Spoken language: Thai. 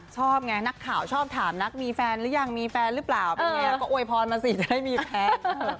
ชอบไงนักข่าวชอบถามนักมีแฟนหรือยังมีแฟนหรือเปล่าเป็นไงก็อวยพรมาสิจะได้มีแฟน